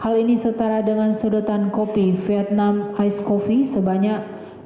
hal ini setara dengan sudutan kopi vietnam ice coffee sebanyak dua belas delapan sampai dua belas delapan mg